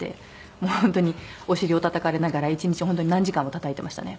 もう本当にお尻をたたかれながら１日本当に何時間もたたいてましたね。